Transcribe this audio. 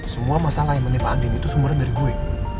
semua masalah yang menimpa andin itu sumber dari gue